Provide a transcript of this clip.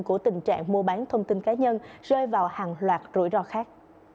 của tình trạng mua bán thông tin cá nhân rơi vào hàng loạt rủi ro khác